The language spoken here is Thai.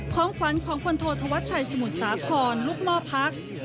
ของขวัญของพลโทธวัชชัยสมุทรสาครลูกหม้อพัก